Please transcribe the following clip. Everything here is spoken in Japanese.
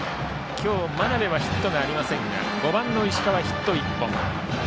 今日、眞邉はヒットはありませんが４番の石川、ヒット１本。